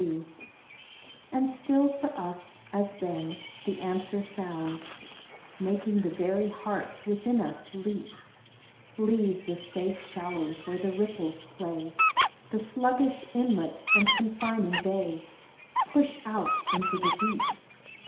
INTO THE DEEP 39 And still for us, as then, the answer sounds, Making the very hearts within us leap :" Leave the safe shallows where the ripples play, The sluggish inlet and confining bay Push out into the deep.